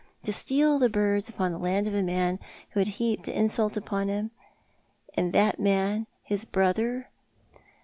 To steal the birds upon the land of a man who had heaped insult upon him— and that man his brother